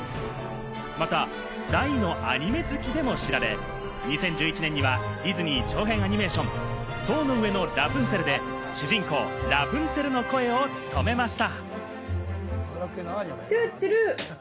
また大のアニメ好きでも知られ、２０１１年にはディズニー長編アニメーション『塔の上のラプンツェル』で、主人公・ラプンツェルの声を務めました。